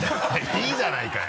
いいじゃないかよ。